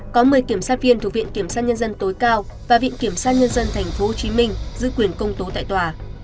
có một mươi kiểm soát viên thuộc viện kiểm soát nhân dân tối cao và viện kiểm soát nhân dân tp hcm giữ quyền công tố tại tòa